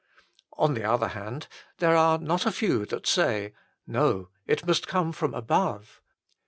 On the other hand, there are not a few that say, " No ; it must come from ABOVE."